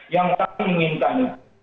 yang kami inginkan